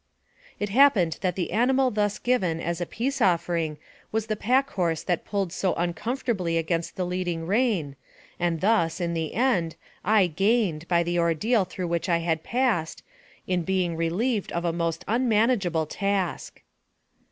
It happened that the animal thus given as a peace offering was the pack horse that pulled so unconifort 68 NARRATIVE OF CAPTIVITY ably against the leading rein, and thus, in the end, I gained, by the ordeal through which I had passed, in being relieved of a most unmanageable task.